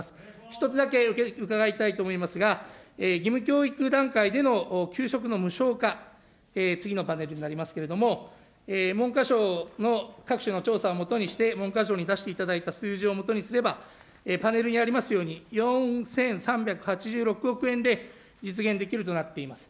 一つだけ伺いたいと思いますが、義務教育段階での給食の無償化、次のパネルになりますけれども、文科省の各種の調査を基にして、文科省に出していただいた数字を基にすれば、パネルにありますように、４３８６億円でじつげんできるとなっています